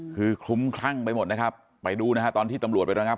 คือคลุ้มคลั่งไปหมดนะครับไปดูนะฮะตอนที่ตำรวจไประงับ